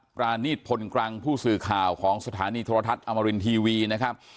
กมนิสฯผลกลางผู้สื่อข่าวของสถานีโทรทัศน์อำมารินทีวีนะครับ